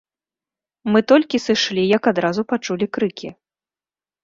Мы толькі сышлі, як адразу пачулі крыкі.